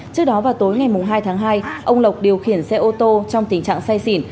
trước đó vào tối ngày hai tháng hai ông lộc điều khiển xe ô tô trong tình trạng say xỉn